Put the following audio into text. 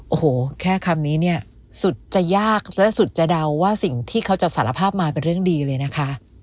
โอ้โหแค่คำนี้เนี่ยสุดจะยากและสุดจะเดาว่าสิ่งที่เขาจะสารภาพมาเป็นเรื่องดีเลยนะคะ